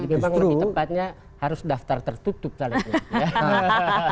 jadi memang lebih tepatnya harus daftar tertutup calegnya